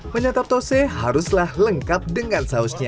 menyatap tose haruslah lengkap dengan sausnya